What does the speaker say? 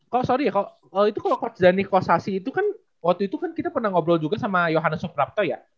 kok sorry ya kalau itu kalau coach dhani coach sasyi itu kan waktu itu kan kita pernah ngobrol juga sama yohannes suprapto ya